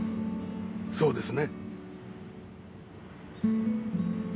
そうですね？